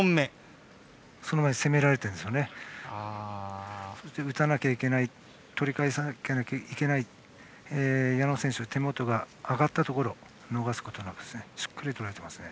それまで攻められていてそして打たなきゃいけない取り返さなきゃいけない矢野選手の手元が上がったところ逃すことなくしっかりとらえています。